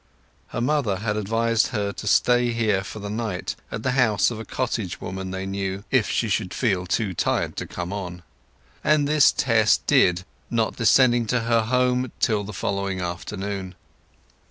Her mother had advised her to stay here for the night, at the house of a cottage woman they knew, if she should feel too tired to come on; and this Tess did, not descending to her home till the following afternoon.